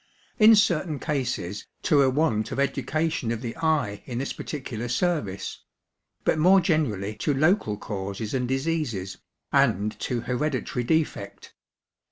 In certain cases, to a want of education of the eye in this particular service; but more generally to local causes and diseases, and to hereditary defect.